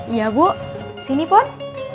iya bu sini pun